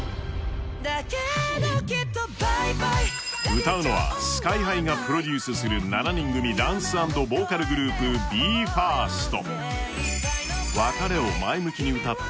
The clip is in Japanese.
歌うのはＳＫＹ−ＨＩがプロデュースする７人組ダンス＆ボーカルグループ、ＢＥ：ＦＩＲＳＴ。